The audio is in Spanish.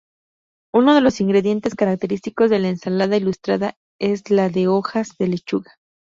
Uno de los ingredientes característicos de la ensalada ilustrada es las hojas de lechuga.